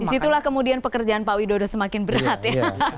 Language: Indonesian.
disitulah kemudian pekerjaan pak widodo semakin berat ya